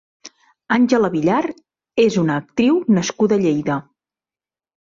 Ángela Villar és una actriu nascuda a Lleida.